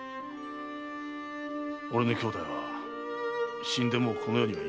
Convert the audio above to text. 俺の兄弟は死んでもうこの世にはいない。